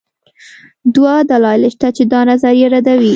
دوه دلایل شته چې دا نظریه ردوي